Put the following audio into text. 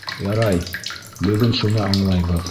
Ярай, бөгөн шуны аңлайбыҙ.